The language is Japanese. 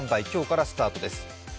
今日からスタートです。